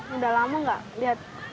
udah lama gak lihat